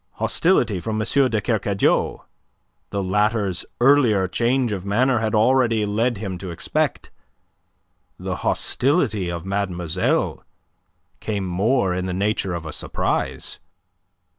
Hostility from M. de Kercadiou, the latter's earlier change of manner had already led him to expect; the hostility of mademoiselle came more in the nature of a surprise.